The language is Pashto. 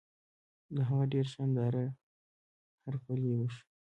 د هغه ډېر شان داره هرکلی وشو.